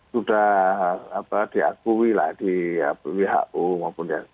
sudah diakui di who